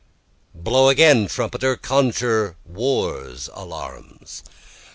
6 Blow again trumpeter conjure war's alarums.